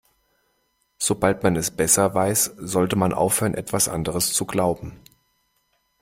Sobald man es besser weiß, sollte man aufhören, etwas anderes zu glauben.